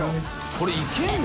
これいけるの？